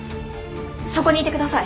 そこにいて下さい。